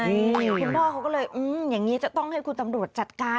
คุณพ่อเขาก็เลยอย่างนี้จะต้องให้คุณตำรวจจัดการ